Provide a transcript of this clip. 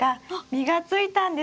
実がついたんです。